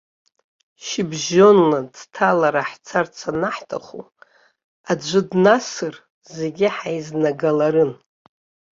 Шьыбжьонла, ӡҭалара ҳцарц анаҳҭаху, аӡәы днасыр, зегьы ҳаизнагаларын.